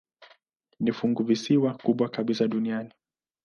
Ni funguvisiwa kubwa kabisa duniani.